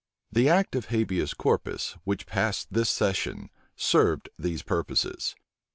The act of habeas corpus, which passed this session, served these purposes.